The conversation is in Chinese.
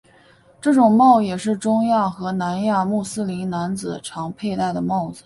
这种帽也是中亚和南亚穆斯林男子常佩戴的帽子。